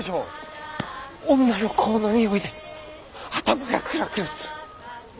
女の香のにおいで頭がクラクラする。